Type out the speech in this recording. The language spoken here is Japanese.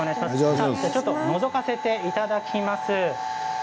のぞかせていただきます。